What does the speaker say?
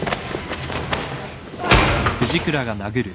あっ。